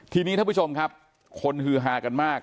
ทีนี้ท่านผู้ชมครับคนฮือฮากันมาก